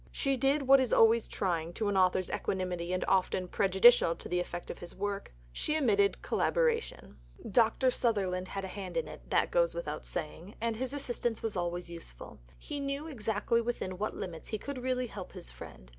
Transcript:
She did what is always trying to an author's equanimity and often prejudicial to the effect of his work: she admitted collaboration. Dr. Sutherland had a hand in it that goes without saying, and his assistance was always useful: he knew exactly within what limits he could really help his friend.